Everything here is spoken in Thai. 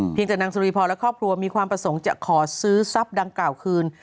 จากนางสุริพรและครอบครัวมีความประสงค์จะขอซื้อทรัพย์ดังกล่าวคืน